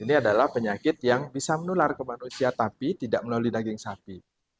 ini adalah penyakit yang bisa menular ke manusia tapi tidak melalui daging sapi